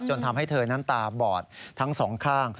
ทำให้เธอนั้นตาบอดทั้งสองข้าง